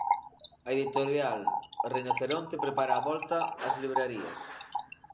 A editorial Rinoceronte prepara a volta ás librarías.